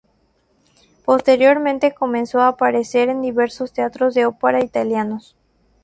Posteriormente comenzó a aparecer en diversos teatros de ópera italianos.